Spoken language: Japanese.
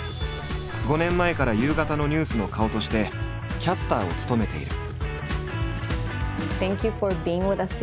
５年前から夕方のニュースの顔としてキャスターを務めている。